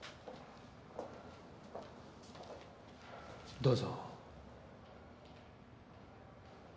どうぞ。